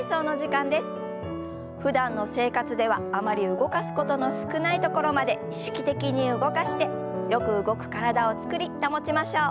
ふだんの生活ではあまり動かすことの少ないところまで意識的に動かしてよく動く体を作り保ちましょう。